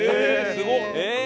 すごっ。